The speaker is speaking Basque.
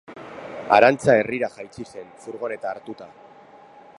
Arantza herrira jaitsi zen furgoneta hartuta.